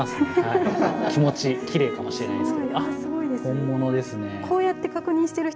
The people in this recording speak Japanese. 本物ですね。